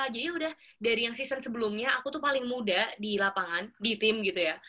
jadi yaudah dari yang season sebelumnya aku tuh paling muda di lapangan di tim gitu ya